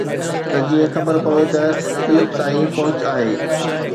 ته جيئن خبر پوي ته تلڪ تائين پهچ آهي